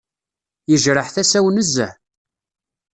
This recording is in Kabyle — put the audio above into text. Yejreḥ tasa-w nezzeh.